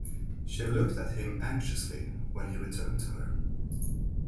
She looked at him anxiously when he returned to her.